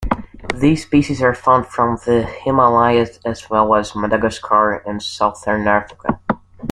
These species are found from the Himalayas as well as Madagascar and Southern Africa.